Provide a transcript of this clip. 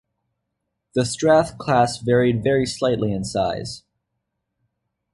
The "Strath" class varied very slightly in size.